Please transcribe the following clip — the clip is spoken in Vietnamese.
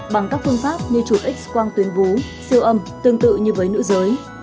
bằng các phương pháp như chụp x quang tuyến vú siêu âm tương tự như với nữ giới